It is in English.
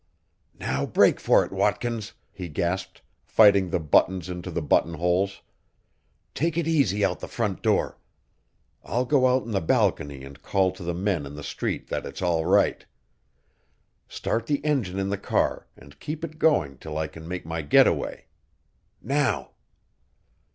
"Now break for it, Watkins," he gasped, fighting the buttons into the buttonholes. "Take it easy out the front door. I'll go out on the balcony and call down to the men in the street that it's all right. Start the engine in the car and keep it going till I can make my getaway. Now!"